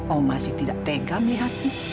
oh masih tidak tega melihatmu